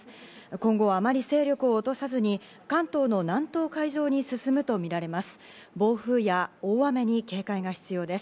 今後、あまり勢力を落とさずに関東の南東海上に進むとみられます。